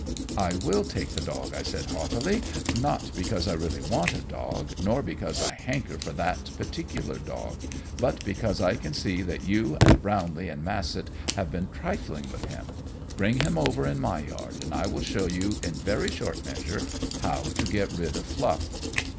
"I will take the dog," I said haughtily, "not because I really want a dog, nor because I hanker for that particular dog, but because I can see that you and Brownlee and Massett have been trifling with him. Bring him over in my yard, and I will show you in very short measure how to get rid of Fluff."